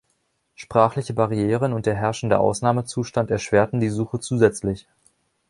Sprachliche Barrieren und der herrschende Ausnahmezustand erschwerten die Suche zusätzlich.